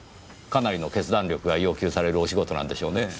かなりの決断力が要求されるお仕事なんでしょうねぇ。